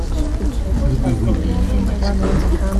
Will it be windy in New Mexico?